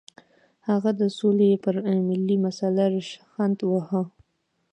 هغه د سولې پر ملي مسله ریشخند وواهه.